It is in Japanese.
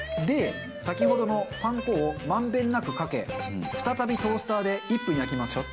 で先ほどのパン粉を満遍なくかけ再びトースターで１分焼きます。